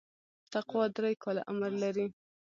تقوا درې کاله عمر لري.